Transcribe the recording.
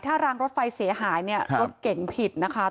ถ้ารางรถไฟเสียหายเนี่ยรถเก่งผิดนะคะ